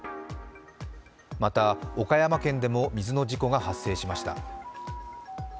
また、岡山県でも水の事故が発生しました。